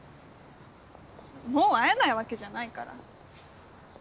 もう会えないわけじゃないから。